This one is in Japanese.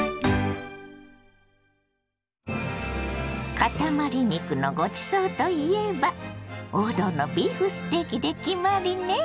かたまり肉のごちそうといえば王道のビーフステーキで決まりね！